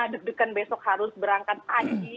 deg degan besok harus berangkat pagi